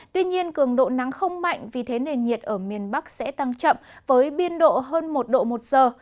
tuy nhiên cường độ nắng không mạnh vì thế nền nhiệt ở miền bắc sẽ tăng chậm với biên độ hơn một độ một giờ